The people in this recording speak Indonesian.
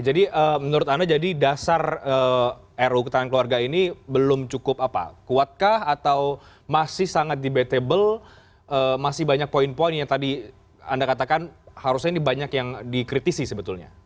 jadi menurut anda jadi dasar ero ketahanan keluarga ini belum cukup apa kuatkah atau masih sangat debatable masih banyak poin poin yang tadi anda katakan harusnya ini banyak yang dikritisi sebetulnya